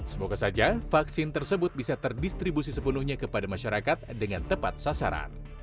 semoga saja vaksin tersebut bisa terdistribusi sepenuhnya kepada masyarakat dengan tepat sasaran